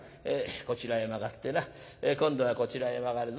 こちらへ曲がってな今度はこちらへ曲がるぞ。